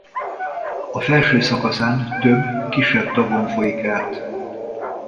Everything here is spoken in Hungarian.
A felső szakaszán több kisebb tavon folyik át.